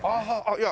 いや